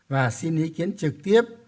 và xin ý kiến trực tiếp